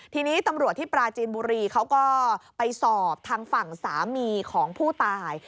ทีนี้ตำรวจที่ปราจีนบุรีเขาก็ไปสอบทางฝั่งสามีของผู้ตาย